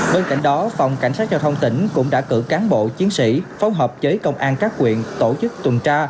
bên cạnh đó phòng cảnh sát giao thông tỉnh cũng đã cử cán bộ chiến sĩ phối hợp với công an các quyện tổ chức tuần tra